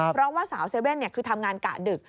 เพราะว่าสาวเซเว่นคือทำงานกะดึก